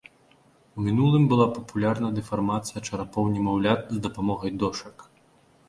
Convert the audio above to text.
У мінулым была папулярна дэфармацыя чарапоў немаўлят з дапамогай дошак.